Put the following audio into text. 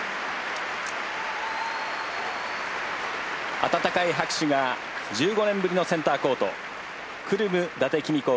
温かい拍手が１５年ぶりのセンターコートクルム伊達公子を迎えました。